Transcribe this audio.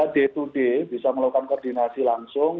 d dua d bisa melakukan koordinasi langsung